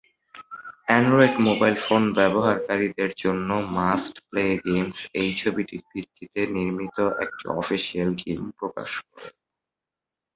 Android mobile phone ব্যবহারকারীদের জন্য must play games এই ছবিটির ভিত্তিতে নির্মিত একটি অফিসিয়াল গেম প্রকাশ করে।